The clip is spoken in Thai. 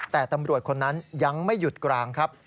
แต่ตำรวจคนนั้นยังไม่หยุดกลางครับ